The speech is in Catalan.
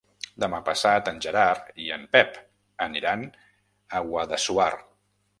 Demà passat en Gerard i en Pep aniran a Guadassuar.